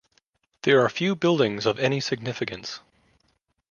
There are few buildings of any significance.